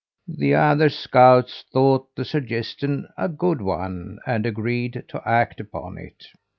"The other scouts thought the suggestion a good one, and agreed to act upon it.